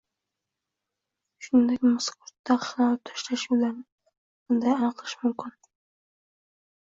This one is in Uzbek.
shuningdek mazkur ta’qiqni olib tashlash yo‘llarini qanday aniqlash mumkin?